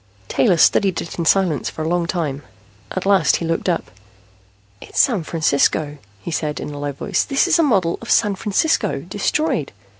Taylor studied it in silence for a long time. At last he looked up. "It's San Francisco," he said in a low voice. "This is a model of San Francisco, destroyed.